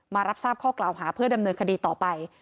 รับทราบข้อกล่าวหาเพื่อดำเนินคดีต่อไป